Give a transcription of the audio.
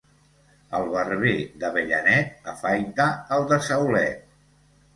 El barber d'Avellanet afaita el de Saulet.